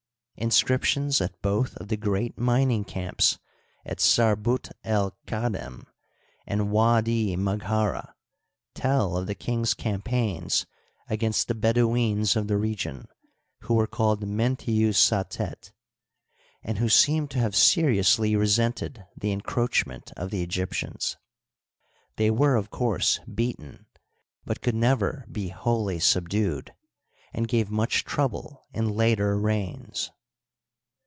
Inscriptions at both of the great mining camps at SarbOt el Chidem and Wadi Maghara tell of the king's campaigns against the Bedouins of the region, who were called Menttu Satet, and who seem to have seriously re sented the encroachment of the Egyptians. They were of course beaten, but could never be wholly subdued, and gave much trouble in later reigns.